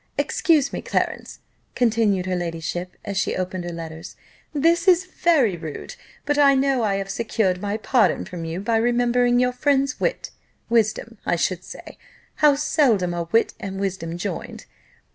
Excuse me, Clarence," continued her ladyship, as she opened her letters, "this is very rude: but I know I have secured my pardon from you by remembering your friend's wit wisdom, I should say: how seldom are wit and wisdom joined!